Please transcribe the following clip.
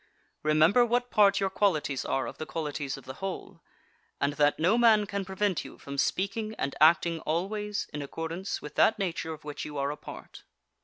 Remember what part your qualities are of the qualities of the whole, and that no man can prevent you from speaking and acting always in accordance with that nature of which you are a part.